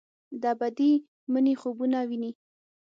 د ابدي مني خوبونه ویني